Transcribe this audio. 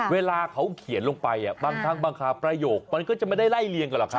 เวลาเขาเขียนลงไปบางทั้งบางประโยคมันก็จะไม่ได้ไล่เลี่ยงกันหรอกครับ